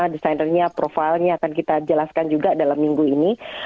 desainernya profilnya akan kita jelaskan juga dalam minggu ini